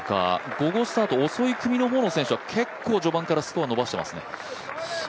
午後スタート、遅い組の方の選手は結構序盤からスコア伸ばしていますね。